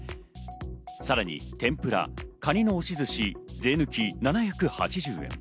さらに天ぷら、カニの押し寿司、税抜７８０円。